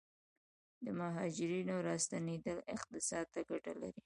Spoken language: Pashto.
د مهاجرینو راستنیدل اقتصاد ته ګټه لري؟